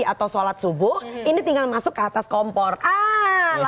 ini tinggal masuk ke atas kompornya ini tinggal masuk ke atas kompornya ini tinggal masuk ke atas kompornya